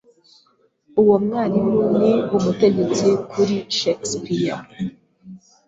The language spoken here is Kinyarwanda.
Uwo mwarimu ni umutegetsi kuri Shakespeare.